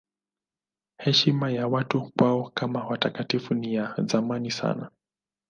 Heshima ya watu kwao kama watakatifu ni ya zamani sana.